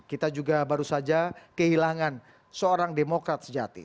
kita juga baru saja kehilangan seorang demokrat sejati